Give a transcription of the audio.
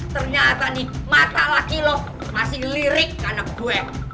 ternyata nih mata laki lo masih lirik sama anak gue